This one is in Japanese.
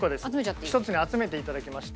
１つに集めていただきまして。